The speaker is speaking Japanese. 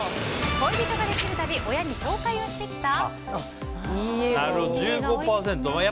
恋人ができるたび親に紹介をしてきた？